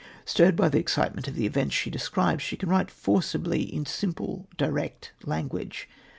Stirred by the excitement of the events she describes, she can write forcibly in simple, direct language.